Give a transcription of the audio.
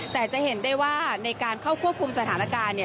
แต่จะเห็นได้ว่าในการเข้าควบคุมสถานการณ์